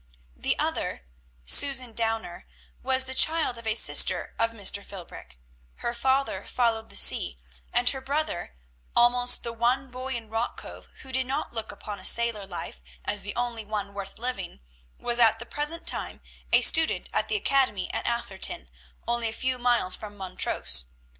The other, Susan Downer, was the child of a sister of Mr. Philbrick; her father followed the sea, and her brother, almost the one boy in Rock Cove who did not look upon a sailor life as the only one worth living, was at the present time a student at the academy at Atherton, only a few miles from Montrose.